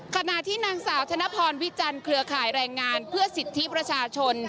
ขณะที่นางสาวธนพรวิจันทร์เครือข่ายแรงงานเพื่อสิทธิประชาชน